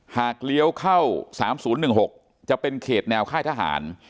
หากเลี้ยวเข้าสามศูนย์หนึ่งหกจะเป็นเขตแนวค่ายทหาร